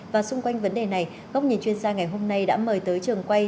và xung quanh vấn đề này góc nhìn chuyên gia ngày hôm nay đã mời tới trường quay